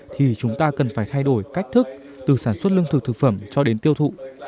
thì chúng ta cần phải thay đổi cách thức từ sản xuất lương thực thực phẩm cho đến tiêu thụ